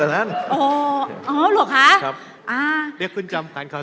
อาจารย์เดี๋ยวแป๊บนึงนะคะ